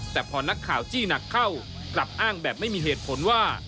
แต่พอนักข่าวจี้หนักเข้ากลับอ้างแบบไม่มีเหตุผลว่า